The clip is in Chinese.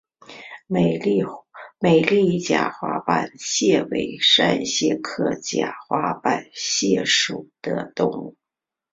美丽假花瓣蟹为扇蟹科假花瓣蟹属的动物。